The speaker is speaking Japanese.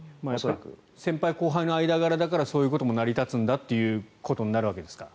先輩後輩の間柄だからそういうことも成り立つんだということになるわけですか。